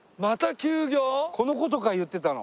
この事か言ってたの。